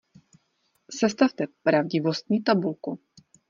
Sestavte pravdivostní tabulku.